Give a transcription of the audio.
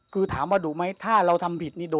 คือถามว่าดุไหมถ้าเราทำผิดนี่โดน